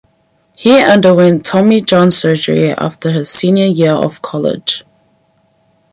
He underwent Tommy John Surgery after his senior year of college.